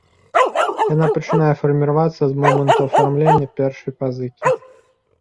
Яна пачынае фарміравацца з моманту афармлення першай пазыкі.